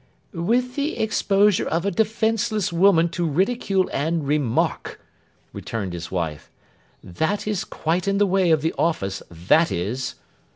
'With the exposure of a defenceless woman to ridicule and remark,' returned his wife. 'That is quite in the way of the office, that is.